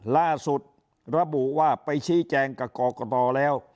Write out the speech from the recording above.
ล่าสุดระบุว่าไปชี้แจงกับกรกตแล้ว